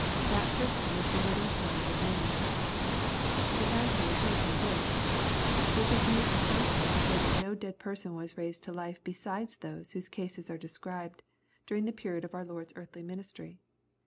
That person was the widow's son at Nain. The answer is simply this. It is mere assumption to say that no dead person was raised to life beside those whose cases are described, during the period of our Lord's earthly ministry.